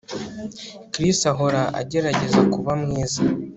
Chris ahora agerageza kuba mwiza